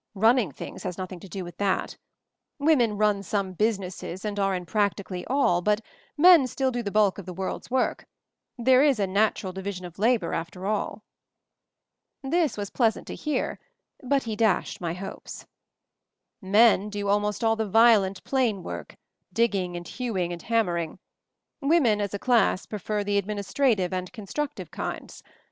'Running things' has nothing to do with that. Women run some businesses and are in practically all, but men still do the bulk of the world's^ work. There is a natural division of labor, after all." This was pleasant to hear, but he dashed my hopes. "Men do almost all the violent plain work digging and hewing and hammering; wo men, as a class, prefer the administrative and constructive kinds.